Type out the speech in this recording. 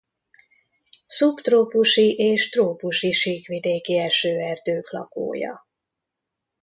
Szubtrópusi és trópusi síkvidéki esőerdők lakója.